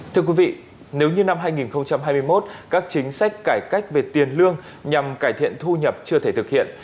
thưa quý vị nếu như năm hai nghìn hai mươi một các chính sách cải cách về tiền lương nhằm cải thiện thu nhập chưa thể thực hiện